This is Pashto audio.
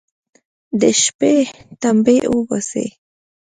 د شپې تمبې اوباسي.